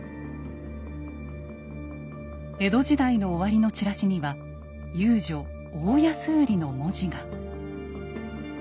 江戸時代の終わりのチラシには「遊女大安売り」の文字が。